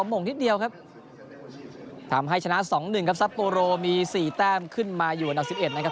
โมงนิดเดียวครับทำให้ชนะสองหนึ่งครับซัปโปโรมีสี่แต้มขึ้นมาอยู่อันดับ๑๑นะครับ